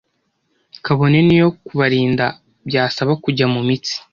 kabone n’iyo kubarinda byasaba kujya mu mitsi